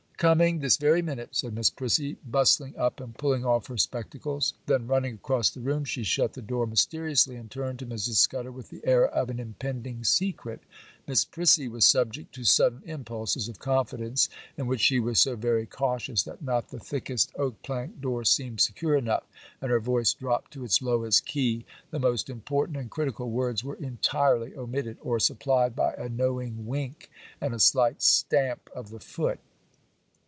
'Coming, this very minute,' said Miss Prissy, bustling up and pulling off her spectacles. Then, running across the room, she shut the door mysteriously, and turned to Mrs. Scudder with the air of an impending secret. Miss Prissy was subject to sudden impulses of confidence, in which she was so very cautious that not the thickest oak plank door seemed secure enough, and her voice dropped to its lowest key. The most important and critical words were entirely omitted, or supplied by a knowing wink and a slight stamp of the foot.